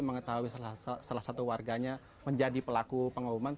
mengetahui salah satu warganya menjadi pelaku pengumuman